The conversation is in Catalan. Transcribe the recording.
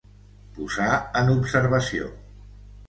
Posar en observació.